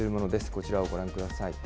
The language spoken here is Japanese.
こちらをご覧ください。